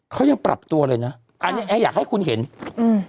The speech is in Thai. เขายังปรับตัวเลยนะอันเนี้ยแออยากให้คุณเห็นอืม